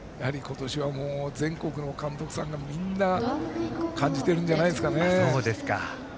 今年も全国の監督さんがみんな感じているんじゃないでしょうか。